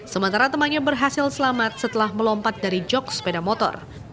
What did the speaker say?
sementara temannya berhasil selamat setelah melompat dari jog sepeda motor